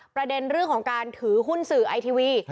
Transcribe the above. ประเด็นเรื่องของการถือหุ้นสื่อไอทีวี